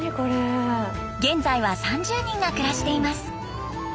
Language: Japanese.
現在は３０人が暮らしています。